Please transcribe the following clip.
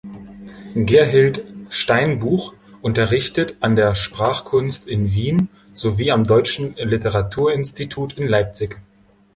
Gerhild Steinbuch unterrichtet an der Sprachkunst in Wien sowie am Deutschen Literaturinstitut in Leipzig.